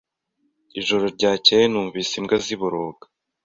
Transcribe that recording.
Ijoro ryakeye, numvise imbwa ziboroga.